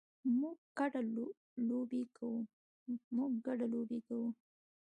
موږ ګډه لوبې کوو